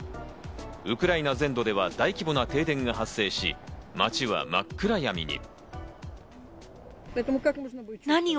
ウクライナ全土では大規模な停電が発生し、街は真っ暗闇に。